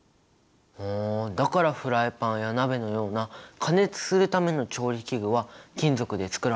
ふんだからフライパンや鍋のような加熱するための調理器具は金属でつくられてるんだね！